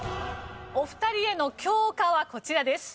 お二人への教科はこちらです。